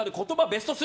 ベスト３。